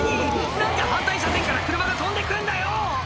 何で反対車線から車が飛んで来んだよ！